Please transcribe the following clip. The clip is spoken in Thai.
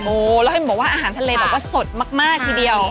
โอ้แล้วให้มีอาหารทะเลแบบว่าสดมากทีเดียว